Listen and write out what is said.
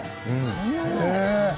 そんな前。